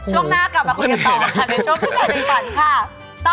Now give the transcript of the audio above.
ช่วงหน้ากลับมาคุยกันต่อ